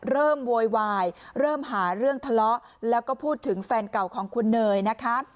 โวยวายเริ่มหาเรื่องทะเลาะแล้วก็พูดถึงแฟนเก่าของคุณเนยนะคะ